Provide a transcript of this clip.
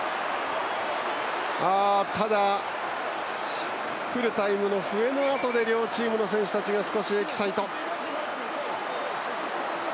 ただ、フルタイムの笛のあとで両チームの選手たちが少しエキサイト。